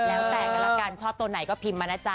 แล้วแต่กันละกันชอบตัวไหนก็พิมพ์มานะจ๊